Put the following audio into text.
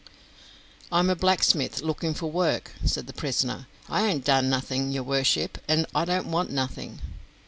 "I am a blacksmith looking for work," said the prisoner; "I ain't done nothing, your worship, and I don't want nothing."